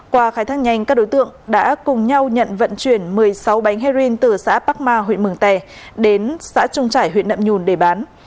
qua khai thác nhanh các đối tượng đã cùng nhau nhận vận chuyển một mươi sáu bánh heroin từ xã bắc ma huyện mường tè đến xã trung trải huyện nậm nhùn để bán